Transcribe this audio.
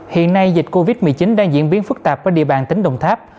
hiện nay dịch covid một mươi chín đang diễn biến phức tạp qua địa bàn tỉnh đồng tháp